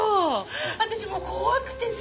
私もう怖くてさ。